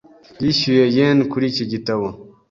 Yishyuye yen kuri iki gitabo .